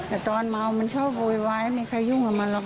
แต่ตอนเมามันชอบโวยวายมีใครยุ่งกับมันหรอก